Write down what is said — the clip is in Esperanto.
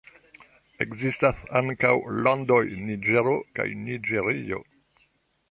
Ekzistas ankaŭ landoj Niĝero kaj Niĝerio.